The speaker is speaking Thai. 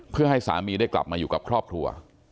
เพื่อให้สามีได้กลับมาอยู่กับครอบครัว